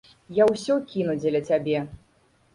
Я ўсё кіну дзеля цябе.